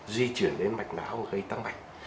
duy chuyển đến mạch nào gây tăng mạch